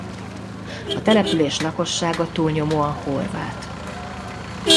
A település lakossága túlnyomóan horvát.